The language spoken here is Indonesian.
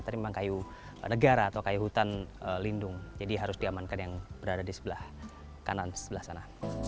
tapi memang kayu negara atau kaya hutan lindung jadi harus diamankan yang berada di sebelah kanan sebelah sana